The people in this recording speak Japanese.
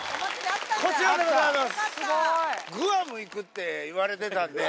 こちらでございます！